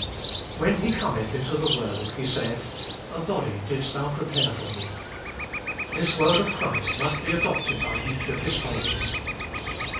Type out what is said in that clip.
When He cometh into the world He saith, A body didst thou prepare for Me. This word of Christ must be adopted by each of His followers.